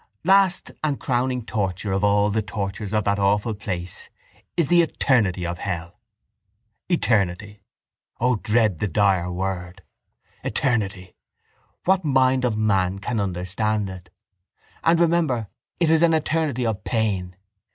—Last and crowning torture of all the tortures of that awful place is the eternity of hell. Eternity! O, dread and dire word. Eternity! What mind of man can understand it? And remember, it is an eternity of pain.